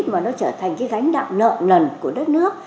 mà nó trở thành cái gánh nặng nợ nần của đất nước